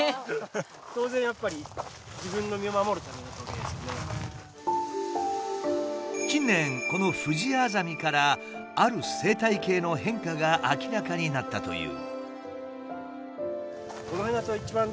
当然やっぱり近年このフジアザミからある生態系の変化が明らかになったという。